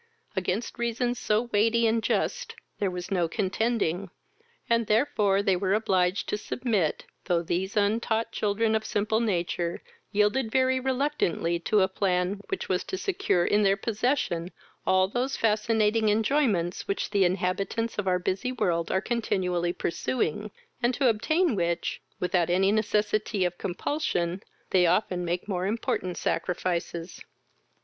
Against reasons so weighty and just there was no contending, and therefore they were obliged to submit, though these untaught children of simple nature yielded very reluctantly to a plan which was to secure in their possession all those fascinating enjoyments which the inhabitants of our busy world are continually pursuing, and to obtain which, without any necessity of compulsion, they often make more important sacrifices.